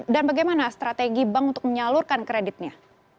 dan bagaimana strategi bank untuk menyalurkan kreditnya